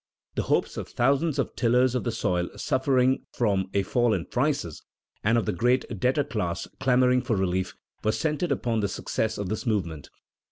The hopes of thousands of tillers of the soil suffering from a fall in prices, and of the great debtor class, clamoring for relief, were centered upon the success of this movement.